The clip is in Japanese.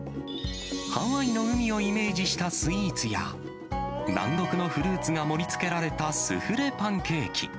ハワイの海をイメージしたスイーツや、南国のフルーツが盛りつけられたスフレパンケーキ。